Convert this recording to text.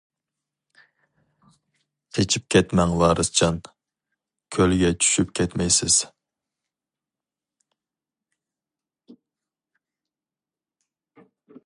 قېچىپ كەتمەڭ ۋارىسجان، كۆلگە چۈشۈپ كەتمەيسىز.